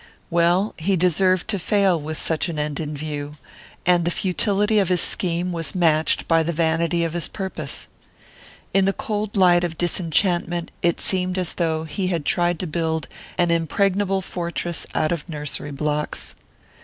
Well, he deserved to fail with such an end in view; and the futility of his scheme was matched by the vanity of his purpose. In the cold light of disenchantment it seemed as though he had tried to build an impregnable fortress out of nursery blocks.